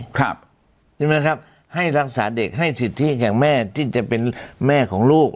ใช่ไหมครับให้รักษาเด็กให้สิทธิอย่างแม่ที่จะเป็นแม่ของลูก